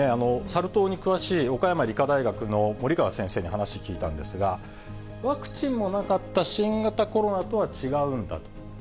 サル痘に詳しい岡山理科大学の森川先生に話聞いたんですが、ワクチンもなかった新型コロナとは違うんだと。